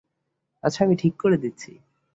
আচ্ছা, আমি ঠিক করে দিচ্ছি।